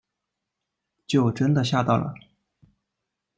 就真的吓到了